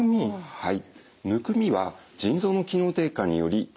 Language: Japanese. はい。